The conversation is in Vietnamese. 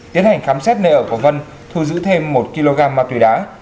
tiến hành khám xét nơi ở của vân thu giữ thêm một kg ma túy đá